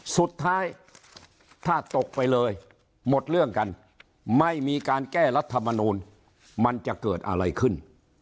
สุดท้ายถ้าตกไปเลยหมดเรื่องกันไม่มีการแก้รัฐมนูลมันจะเกิดอะไรขึ้น